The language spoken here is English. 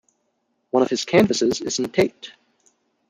One of his canvases is in Tate.